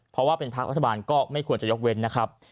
เพราะว่าเป็นภาครัฐบาลก็ไม่ควรจะยกเว้นนะครับ